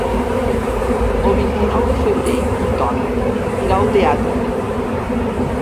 El vint-i-nou de febrer en Ton irà al teatre.